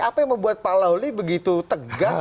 apa yang membuat pak lauli begitu tegas